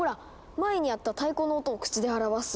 前にやった太鼓の音を口で表す。